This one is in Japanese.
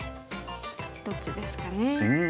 どっちですかね。